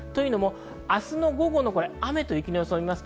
明日の午後の雨と雪の様子をみます。